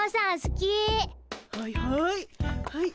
はいはい。